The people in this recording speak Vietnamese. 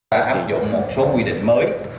đã áp dụng một số quy định mới